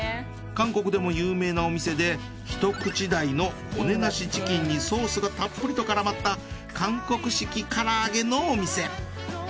韓国でも有名なお店でひと口大の骨なしチキンにソースがたっぷりとからまった韓国式から揚げのお店。